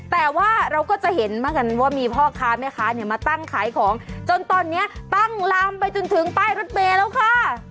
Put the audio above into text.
แต่ว่าเราก็จะเห็นบ้างกันว่ามีพ่อค้าแม่ค้าเนี่ยมาตั้งขายของจนตอนนี้ตั้งลามไปจนถึงป้ายรถเมย์แล้วค่ะ